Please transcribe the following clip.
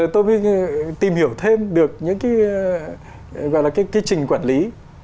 tôi mới tìm hiểu thêm được những cái gọi là cái quy trình quản lý